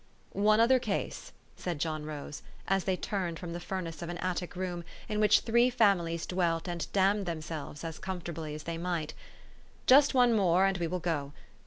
" One other case," said John Rose, as they turned from the furnace of an attic room in which three famih'es dwelt and damned themselves as comforta bly as they might, "just one more, and we will go.